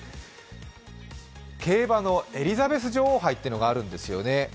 競馬のエリザベス女王杯というのがあるんですよね。